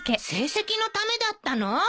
成績のためだったの？